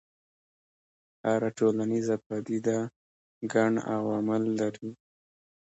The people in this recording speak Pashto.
هره ټولنیزه پدیده ګڼ عوامل لري.